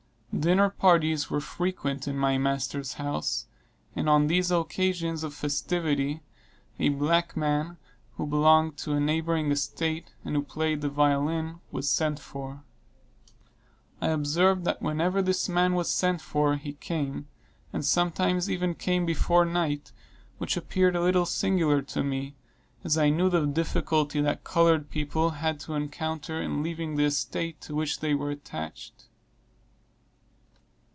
Dinner parties were frequent in my master's house; and on these occasions of festivity, a black man, who belonged to a neighboring estate, and who played the violin, was sent for. I observed that whenever this man was sent for, he came, and sometimes even came before night, which appeared a little singular to me, as I knew the difficulty that colored people had to encounter in leaving the estate to which they were attached.